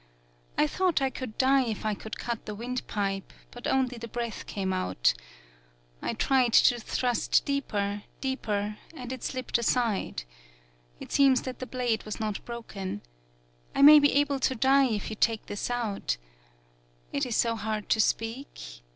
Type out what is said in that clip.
I thought I could die if I cut the wind pipe, but only the breath came out. I tried to thrust deeper, deeper, and it slipped aside. It seems that the blade was not broken. I may be able to die if you take this out. It is so hard to speak.